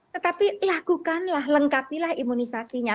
tetapi lakukanlah lengkapilah imunisasinya